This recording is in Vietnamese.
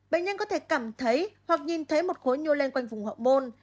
bệnh nhân có thể cảm thấy hoặc nhìn thấy một khối nhô lên quanh vùng họ môn